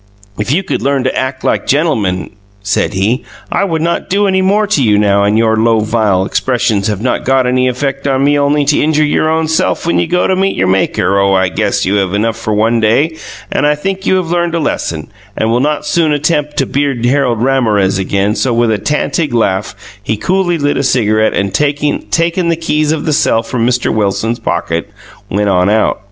If you could learn to act like gentlmen said he I would not do any more to you now and your low vile exppresions have not got any effect on me only to injure your own self when you go to meet your Maker Oh I guess you have had enogh for one day and I think you have learned a lesson and will not soon atemp to beard Harold Ramorez again so with a tantig laugh he cooly lit a cigarrete and takin the keys of the cell from Mr Wilson poket went on out.